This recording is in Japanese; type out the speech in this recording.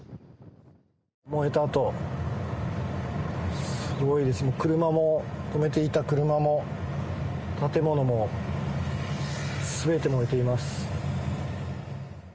燃えた跡、すごいですね、車も、止めていた車も建物も、すべて燃えています。